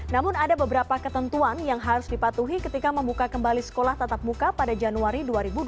namun ada beberapa ketentuan yang harus dipatuhi ketika membuka kembali sekolah tatap muka pada januari dua ribu dua puluh